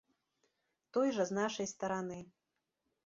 Той жа з нашай стараны.